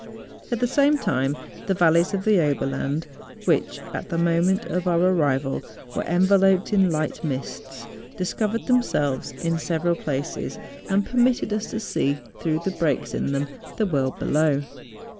At the same time, the valleys of the Oberland, which at the moment of our arrival were enveloped in light mists, discovered themselves in several places, and permitted us to see, through the breaks in them, the world below.